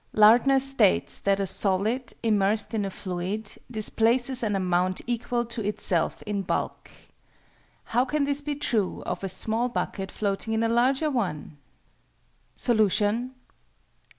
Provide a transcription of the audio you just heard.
_ Lardner states that a solid, immersed in a fluid, displaces an amount equal to itself in bulk. How can this be true of a small bucket floating in a larger one? _Solution.